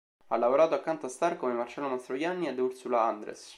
Ha lavorato accanto a star come Marcello Mastroianni ed Ursula Andress.